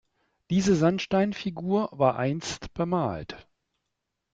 Diese Sandsteinfigur war einst bemalt.